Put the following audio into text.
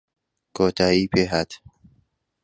کۆتایی پێهات